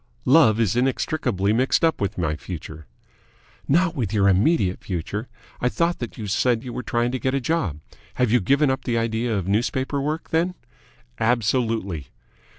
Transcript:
"Love is inextricably mixed up with my future." "Not with your immediate future. I thought you said that you were trying to get a job. Have you given up the idea of newspaper work, then?" "Absolutely."